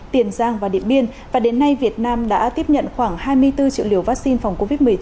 tiền giang và điện biên và đến nay việt nam đã tiếp nhận khoảng hai mươi bốn triệu liều vaccine phòng covid một mươi chín